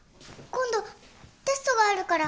今度テストがあるから。